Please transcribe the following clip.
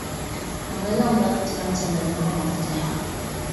Ongeza unga katika mchanganyiko wa mafuta yako